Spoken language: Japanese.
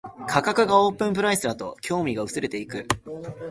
価格がオープンプライスだと興味が薄れていく